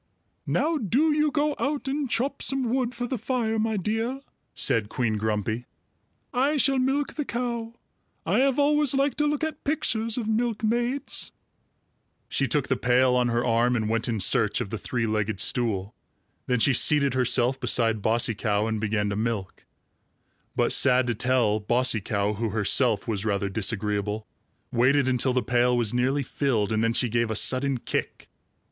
"Now do you go out and chop some wood for the fire, my dear," said Queen Grumpy. "I shall milk the cow. I have always liked to look at pictures of milkmaids." She took the pail on her arm and went in search of the three legged stool. Then she seated herself beside Bossy Cow and began to milk. But sad to tell, Bossy Cow, who herself was rather disagreeable, waited until the pail was nearly filled, and then she gave a sudden kick.